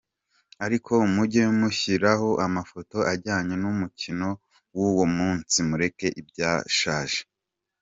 Ariko mujye mushyiraho amafoto ajyanye n’umukino w’uwo munsi mureke ibyashaje.